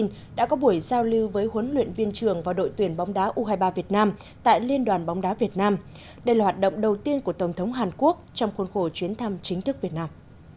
tổng thống hàn quốc moon jae in đã giao lưu với huấn luyện viên trưởng và đội tuyển bóng đá u hai mươi ba việt nam tại liên đoàn bóng đá việt nam đây là hoạt động đầu tiên của tổng thống hàn quốc trong khuôn khổ chuyến thăm chính thức việt nam